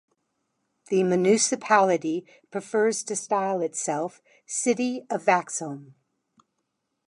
The municipality prefers to style itself "City of Vaxholm".